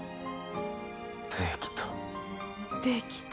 「できた」